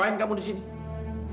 aku juga tidak sanggup